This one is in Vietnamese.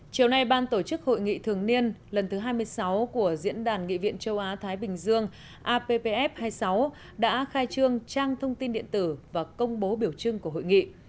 chiều nay ban tổ chức hội nghị thường niên lần thứ hai mươi sáu của diễn đàn nghị viện châu á thái bình dương appf hai mươi sáu đã khai trương trang thông tin điện tử và công bố biểu trưng của hội nghị